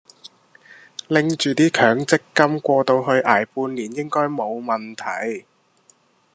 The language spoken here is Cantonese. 拎住啲強積金過到去捱半年應該冇問題